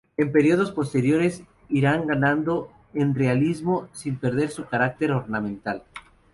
En periodos posteriores irán ganando en realismo sin perder su carácter ornamental.